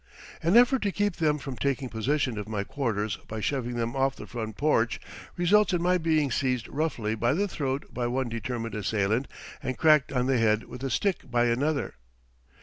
An effort to keep them from taking possession of my quarters by shoving them off the front porch, results in my being seized roughly by the throat by one determined assailant and cracked on the head with a stick by another.